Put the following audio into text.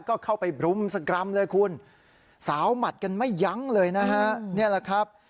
ก็เข้าไปบรุมสกรรมเลยคุณสาวหมัดกันไม่ยั้งเลยนะฮะนี่แหละครับ